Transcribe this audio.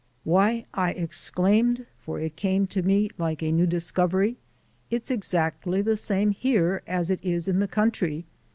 "Why!" I exclaimed, for it came to me like a new discovery, "it's exactly the same here as it is in the country!